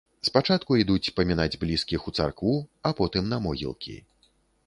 Спачатку ідуць памінаць блізкіх у царкву, а потым на могілкі.